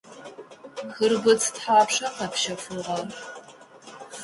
Хъырбыдз тхьапша къэпщэфыгъэр?